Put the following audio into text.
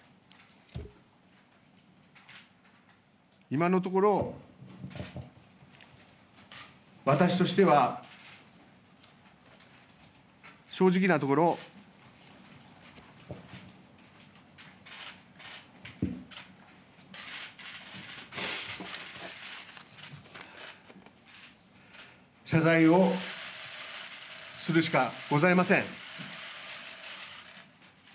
今のところ、私としては、正直なところ、謝罪をするしかございません。